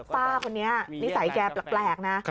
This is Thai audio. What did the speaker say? ป้าคนนี้นิสัยแกแปลกนะ